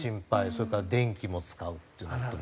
それから電気も使うってなる。